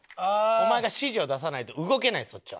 お前が指示を出さないと動けないそっちは。